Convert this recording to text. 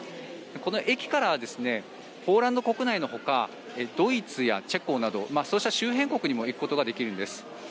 この駅からポーランド国内のほかドイツやチェコなどそうした周辺国にも行くことができるんです。